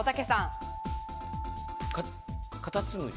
カタツムリ。